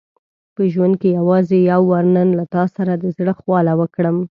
په ژوند کې یوازې یو وار نن له تا سره د زړه خواله وکړم.